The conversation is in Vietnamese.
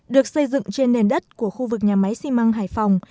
được xây dựng trên nền đất của khu vực nhà máy xi măng hải phòng